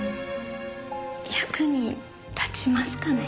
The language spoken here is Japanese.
役に立ちますかね？